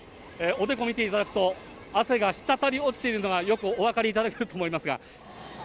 おでこ見ていただくと、汗がしたたり落ちているのが、よくお分かりいただけると思います